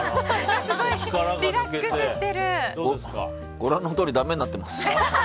ご覧のとおりダメになってます。